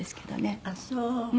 ああそう。